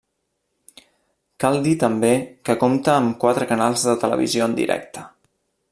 Cal dir també que compta amb quatre canals de televisió en directe.